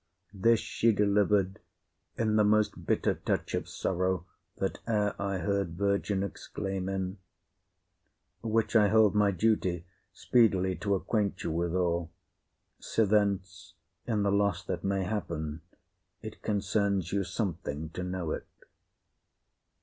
This she deliver'd in the most bitter touch of sorrow that e'er I heard virgin exclaim in, which I held my duty speedily to acquaint you withal; sithence, in the loss that may happen, it concerns you something to know it.